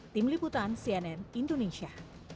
tim liputan cnn indonesia